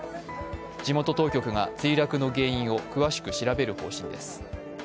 地元当局が墜落の原因を詳しく調べる方針です。